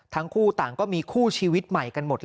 ทั้งคู่ต่างก็มีคู่ชีวิตใหม่กันหมดแล้ว